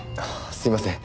すいません。